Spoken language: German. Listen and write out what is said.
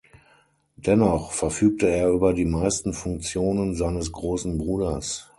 Dennoch verfügte er über die meisten Funktionen seines großen Bruders.